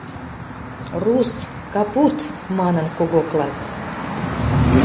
«Рус, капут!» — манын когоклат.